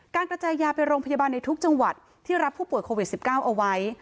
กระจายยาไปโรงพยาบาลในทุกจังหวัดที่รับผู้ป่วยโควิด๑๙เอาไว้